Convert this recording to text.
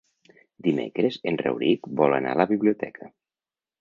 Dimecres en Rauric vol anar a la biblioteca.